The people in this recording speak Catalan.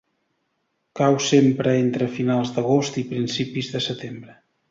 Cau sempre entre finals d'agost i principis de setembre.